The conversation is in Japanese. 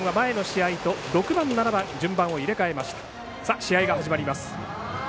試合が始まります。